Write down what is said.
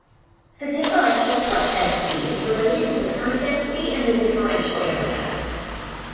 The differential flux density is related to the current density and the differential area.